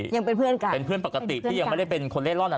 ยังเป็นเพื่อนกันเป็นเพื่อนปกติที่ยังไม่ได้เป็นคนเล่นร่อนอ่ะ